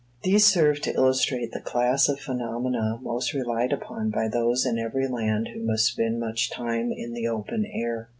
These serve to illustrate the class of phenomena most relied upon by those in every land who must spend much time in the open air.